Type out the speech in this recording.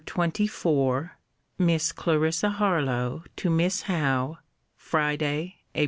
LETTER XXIV MISS CLARISSA HARLOWE, TO MISS HOWE FRIDAY, APR.